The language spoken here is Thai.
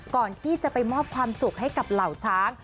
ก่อนที่จะไปมอบความสุขให้กับเหล่าช้าง